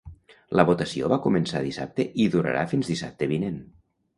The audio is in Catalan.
La votació va començar dissabte i durarà fins dissabte vinent.